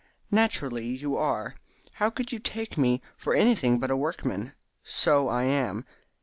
"Naturally you are. How could you take me for anything but a workman? So I am.